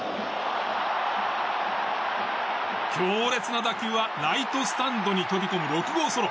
強烈な打球はライトスタンドに飛び込む６号ソロ。